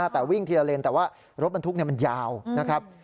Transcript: แต่วิ่งทีละเลนแต่ว่ารถบรรทุกมันยาวนะครับ